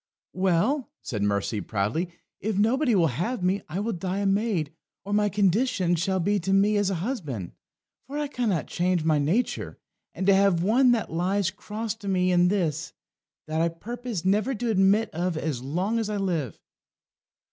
"Well," said Mercy proudly, "if nobody will have me, I will die a maid, or my conditions shall be to me as a husband. For I cannot change my nature, and to have one that lies cross to me in this, that I purpose never to admit of as long as I live."